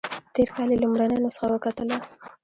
تېر کال یې لومړنۍ نسخه وکتله.